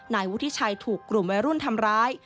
นายวุฒิชัยถูกกลุ่มวัยรุ่นทำร้าย